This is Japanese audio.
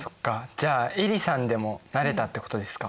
じゃあえりさんでもなれたってことですか？